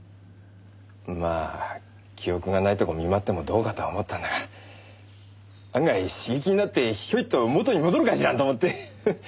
まあ記憶がないとこ見舞ってもどうかとは思ったんだが案外刺激になってヒョイッと元に戻るかしらんと思って。